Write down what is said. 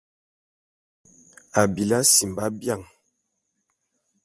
Abili asimba bian.